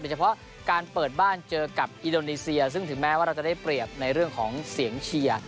เฉพาะการเปิดบ้านเจอกับอินโดนีเซียซึ่งถึงแม้ว่าเราจะได้เปรียบในเรื่องของเสียงเชียร์